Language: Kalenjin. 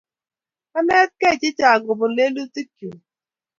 Kanetkey chechang' kopun lelutik chuk